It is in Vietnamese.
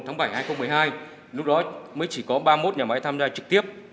ngày một tháng bảy hai nghìn một mươi hai lúc đó mới chỉ có ba mươi một nhà máy tham gia trực tiếp